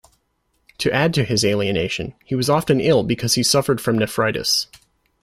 To add to his alienation, he was often ill because he suffered from nephritis.